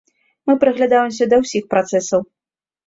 Мы прыглядаемся да ўсіх працэсаў.